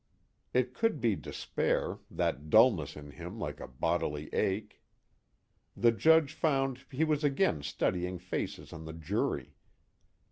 '" It could be despair, that dullness in him like a bodily ache. The Judge found he was again studying faces on the jury.